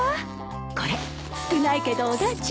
これ少ないけどお駄賃。